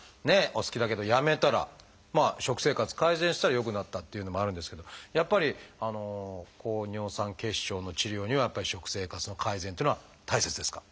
お好きだけどやめたらまあ食生活改善したら良くなったっていうのもあるんですけどやっぱり高尿酸血症の治療には食生活の改善っていうのは大切ですか？